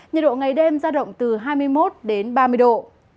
nhiệt độ ngày đêm ra động từ hai mươi một đến ba mươi độ